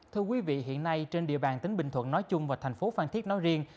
thưa quý vị hiện nay trên địa bàn tỉnh bình thuận nói chung và thành phố phan thiết nói riêng